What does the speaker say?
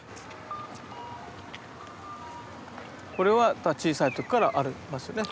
これは小さい時からありますよね。